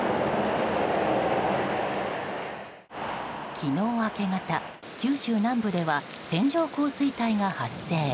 昨日明け方、九州南部では線状降水帯が発生。